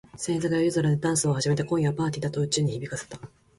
星座が夜空でダンスを始めて、「今夜はパーティーだ！」と宇宙に響かせた。